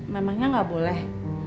memangnya ga boleh